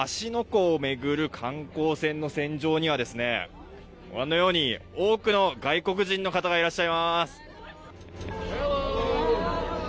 湖を巡る観光船の船上にはご覧のように、多くの外国人の方がいらっしゃいます！